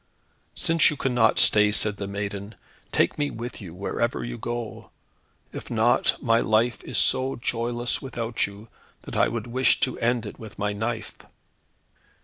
"Since you cannot stay," said the maiden, "take me with you, wherever you go. If not, my life is so joyless without you, that I would wish to end it with my knife."